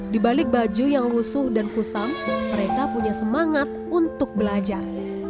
di balik baju yang musuh dan kusam mereka punya semangat untuk belajar